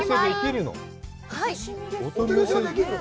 お取り寄せできるの！？